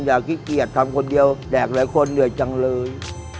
ขี้เกียจทำคนเดียวแดกหลายคนเหนื่อยจังเลย